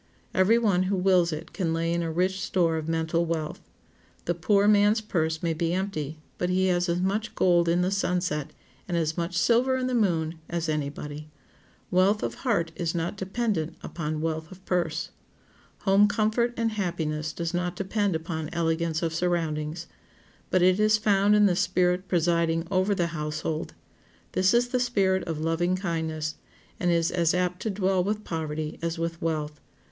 Every one who wills it can lay in a rich store of mental wealth. The poor man's purse may be empty, but he has as much gold in the sunset, and as much silver in the moon, as any body. Wealth of heart is not dependent upon wealth of purse. Home comfort and happiness does not depend upon elegance of surroundings. But it is found in the spirit presiding over the household; this is the spirit of loving kindness, and is as apt to dwell with poverty as with wealth.